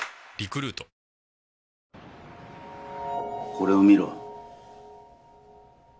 これを見ろ。